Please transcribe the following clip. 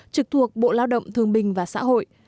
trực thuộc bộ lao động thương bình và xã hội